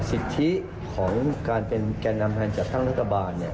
สิทธิของการเป็นแก่นำแทนจัดตั้งรัฐบาล